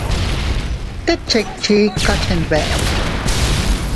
Tet chikchi ikaa chenbeʼe.